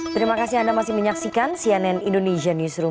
terima kasih anda masih menyaksikan cnn indonesia newsroom